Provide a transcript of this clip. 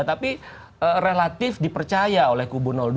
tapi relatif dipercaya oleh kubu dua